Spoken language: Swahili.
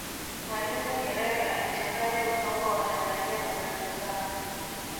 mwalimu nyerere alichanganya udongo wa tanzania na zanzibar